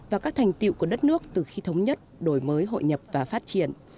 và các thành tiệu của đất nước từ khi thống nhất đổi mới hội nhập và phát triển